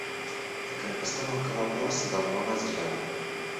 Такая постановка вопроса давно назрела.